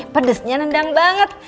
pedesnya nendang banget